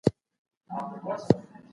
جهاد د هر مسلمان دپاره د عزت لاره ده.